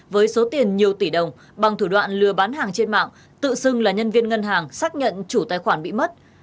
với số tiền nhiều tỷ đồng bằng thủ đoạn lừa bán hàng trên mạng tự xưng là nhân viên ngân hàng xác nhận chủ tài khoản bị mất